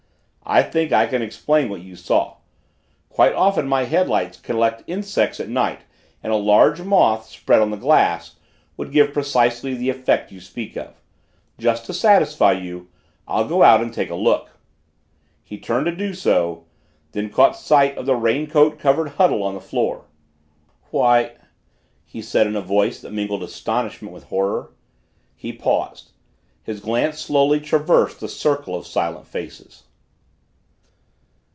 "I think I can explain what you saw. Quite often my headlights collect insects at night and a large moth, spread on the glass, would give precisely the effect you speak of. Just to satisfy you, I'll go out and take a look." He turned to do so. Then he caught sight of the raincoat covered huddle on the floor. "Why " he said in a voice that mingled astonishment with horror. He paused. His glance slowly traversed the circle of silent faces.